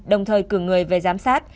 đồng thời cử người về giám sát